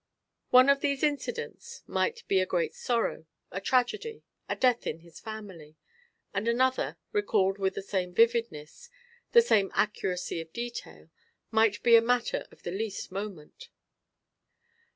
One of these incidents might be a great sorrow, a tragedy, a death in his family; and another, recalled with the same vividness, the same accuracy of detail, might be a matter of the least moment.